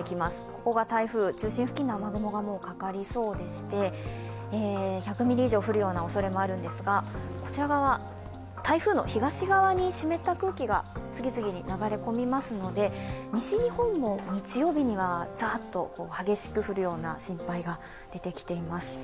ここが台風中心付近の雨雲がかかりそうでして１００ミリ以上降るおそれもあるんですが、台風の東側に湿った空気が次々に流れ込みますので、西日本も日曜日にはザーッと激しく降るような心配が出てきています。